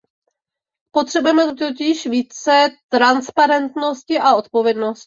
Potřebujeme totiž více transparentnosti a odpovědnosti.